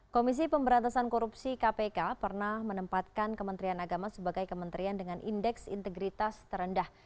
komisi pemberantasan korupsi kpk pernah menempatkan kementerian agama sebagai kementerian dengan indeks integritas terendah